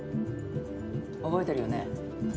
覚えてるよね？